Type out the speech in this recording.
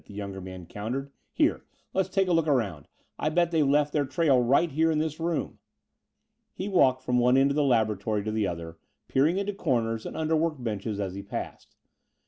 the younger man countered. "Here let's take a look around. I'll bet they've left their trail right here in this room." He walked from one end of the laboratory to the other, peering into corners and under work benches as he passed.